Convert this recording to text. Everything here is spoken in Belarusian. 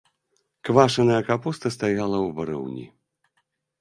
Квашаная капуста стаяла ў варыўні.